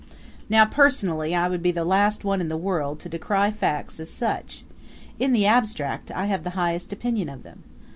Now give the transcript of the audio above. Now personally I would be the last one in the world to decry facts as such. In the abstract I have the highest opinion of them.